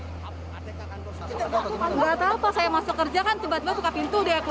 tidak apa apa saya masuk kerja kan tiba tiba buka pintu deh